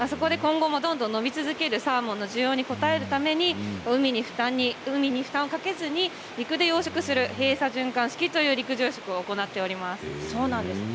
今後もどんどん伸び続けるサーモンの需要に応えるために、海に負担をかけずに陸で養殖する閉鎖循環式という養殖を行っています。